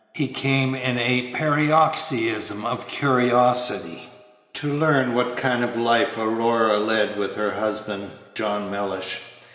He came, in a paroxysm of curiosity, to learn what kind of life Aurora led with her husband, John Mellish.